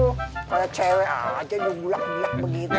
kalau cewek aja dia bulak bulak begitu